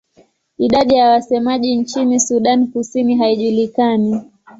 Idadi ya wasemaji nchini Sudan Kusini haijulikani.